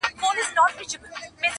انډیوالۍ کي چا حساب کړی دی ,